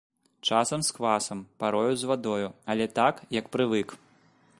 Часам з квасам, парою з вадою, але так, як прывык.